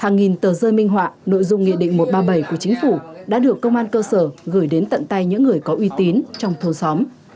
nghị định một trăm ba mươi bảy của chính phủ đã được công an cơ sở gửi đến tận tay những người có uy tín trong thôn xóm